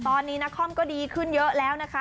ตอนนี้นครก็ดีขึ้นเยอะแล้วนะคะ